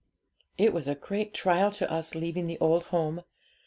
'It was a great trial to us, leaving the old home.